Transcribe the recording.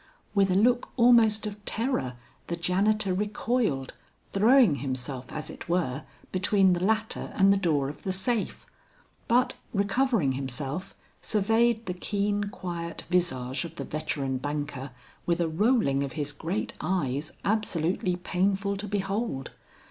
With a look almost of terror the janitor recoiled, throwing himself as it were between the latter and the door of the safe; but recovering himself, surveyed the keen quiet visage of the veteran banker with a rolling of his great eyes absolutely painful to behold.